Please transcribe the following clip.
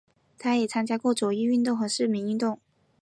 他也参加过左翼运动和市民运动。